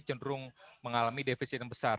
cenderung mengalami defisit yang besar